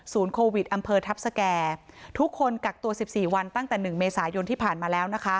โควิดอำเภอทัพสแก่ทุกคนกักตัว๑๔วันตั้งแต่๑เมษายนที่ผ่านมาแล้วนะคะ